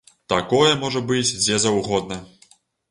Такое можа быць дзе заўгодна!